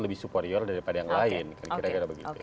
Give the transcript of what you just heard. lebih superior daripada yang lain kan kira kira begitu